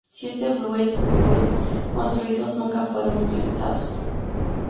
Siete Blues Blues construidos nunca fueron utilizados.